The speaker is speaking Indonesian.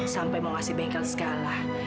sampai mau ngasih bengkel skala